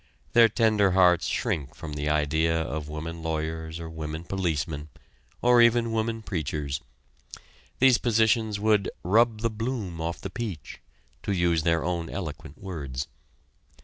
Their tender hearts shrink from the idea of women lawyers or women policemen, or even women preachers; these positions would "rub the bloom off the peach," to use their own eloquent words.